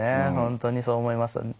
本当にそう思います。